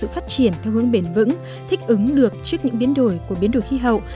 phát triển theo hướng bền vững thích ứng được trước những biến đổi của biến đổi khí hậu